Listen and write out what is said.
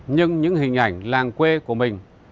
nhưng những hình ảnh làng quê của mình